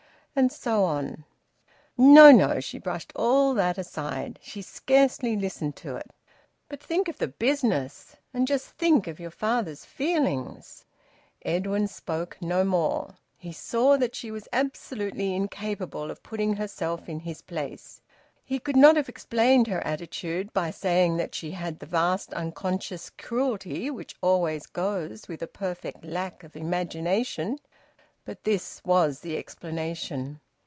And so on. No! no! She brushed all that aside. She scarcely listened to it. "But think of the business! And just think of your father's feelings!" Edwin spoke no more. He saw that she was absolutely incapable of putting herself in his place. He could not have explained her attitude by saying that she had the vast unconscious cruelty which always goes with a perfect lack of imagination; but this was the explanation.